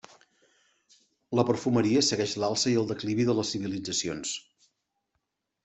La perfumeria segueix l'alça i el declivi de les civilitzacions.